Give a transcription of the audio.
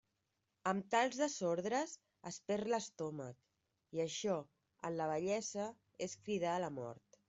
Amb tals desordres es perd l'estómac, i això en la vellesa és cridar a la mort.